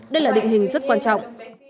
đây là định hình rất quan trọng